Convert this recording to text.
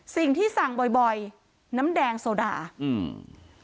สิ่งที่สั่งบ่อยบ่อยน้ำแดงโซดาอืม